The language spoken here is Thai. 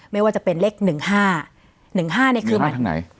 ไม่ว่าจะเป็นเลขหนึ่งห้าหนึ่งห้าเนี่ยคือหนึ่งห้าทางไหน